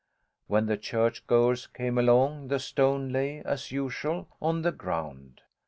When the church goers came along, the stone lay, as usual, on the ground.